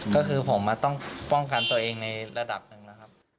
ก็คือผมต้องป้องกันตัวเองในระดับหนึ่งนะครับ